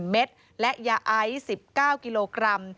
๑๔๐๐๐๐เม็ดและยาไอ๑๙กิโลกรัม